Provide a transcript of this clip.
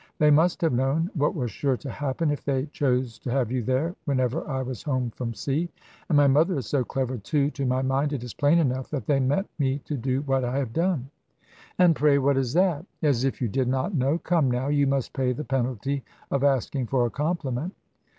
They must have known what was sure to happen, if they chose to have you there whenever I was home from sea. And my mother is so clever too to my mind it is plain enough that they meant me to do what I have done." "And pray what is that?" "As if you did not know! Come now, you must pay the penalty of asking for a compliment.